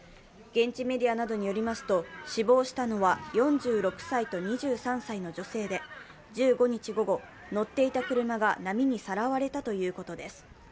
現地メディアなどによりますと死亡したのは４６歳と２３歳の女性で１５日午後、乗っていた車が波にさらわれたということです。